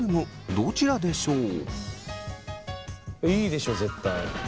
どちらでしょうか？